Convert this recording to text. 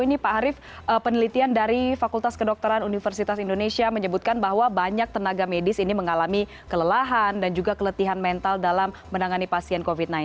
ini pak arief penelitian dari fakultas kedokteran universitas indonesia menyebutkan bahwa banyak tenaga medis ini mengalami kelelahan dan juga keletihan mental dalam menangani pasien covid sembilan belas